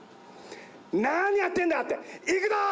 何やってんだって、いくぞー！